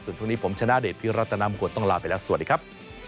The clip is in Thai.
ส่วนช่วงนี้ผมชนะเดชพิรัตนามงคลต้องลาไปแล้วสวัสดีครับ